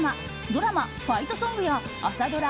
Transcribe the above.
ドラマ「ファイトソング」や朝ドラ